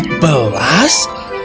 dan mengapa kau berpakaian sangat aneh